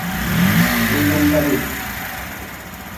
Sowa jang ka lem.